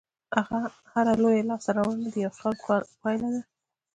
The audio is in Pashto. هره لویه لاستهراوړنه د یوه خیال پایله ده.